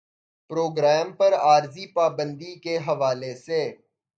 programme پر عارضی پابندی کے حوالے سے